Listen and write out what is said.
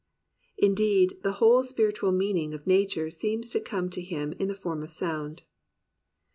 Indeed the whole spiritual meaning of nature seems to come to him in the form of sound.